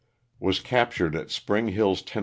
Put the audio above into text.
Was captured at Spring Hills, Tenn.